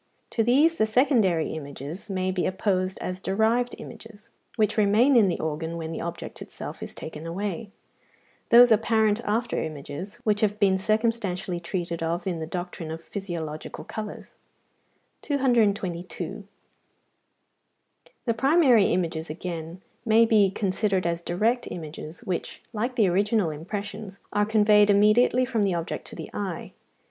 To these the secondary images may be opposed as derived images, which remain in the organ when the object itself is taken away; those apparent after images, which have been circumstantially treated of in the doctrine of physiological colours. 222. The primary images, again, may be considered as direct images, which, like the original impressions, are conveyed immediately from the object to the eye.